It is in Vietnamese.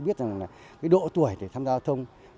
biết độ tuổi để tham gia giao thông